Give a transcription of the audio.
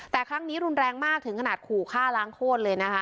แต่ครั้งนี้รุนแรงมากถึงขนาดขู่ฆ่าล้างโคตรเลยนะคะ